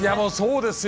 そうですよ。